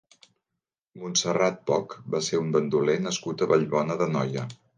Montserrat Poch va ser un bandoler nascut a Vallbona d'Anoia.